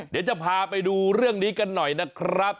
เดี๋ยวจะพาไปดูเรื่องนี้กันหน่อยนะครับ